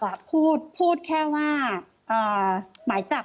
เป็นตำรวจพูดซะเป็นส่วนใหญ่หรือว่าเป็นผู้ชายที่มาทีหลังค่ะ